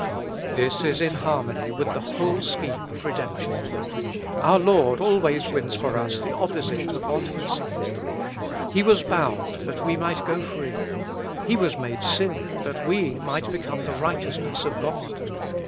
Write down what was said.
This is in harmony with the whole scheme of re demption. Our Lord always wins for us the opposite 229 With Christ in the School of Prayer. of what He suffered. He was bound that we might go free. He was made sin that we might become the righteousness of God.